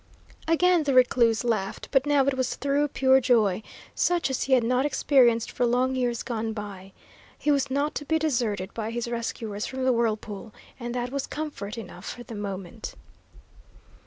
Again the recluse laughed, but now it was through pure joy, such as he had not experienced for long years gone by. He was not to be deserted by his rescuers from the whirlpool, and that was comfort enough for the moment.